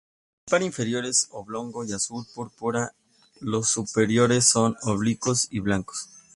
El par inferior es oblongo y azul púrpura, los superiores son oblicuos y blancos.